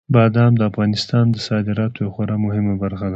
بادام د افغانستان د صادراتو یوه خورا مهمه برخه ده.